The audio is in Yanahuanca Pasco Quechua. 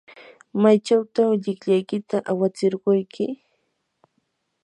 ¿maychawtaq llikllaykita awatsirquyki?